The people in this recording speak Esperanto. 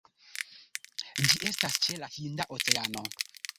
Ĝi estas ĉe la Hinda Oceano.